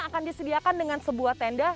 akan disediakan dengan sebuah tenda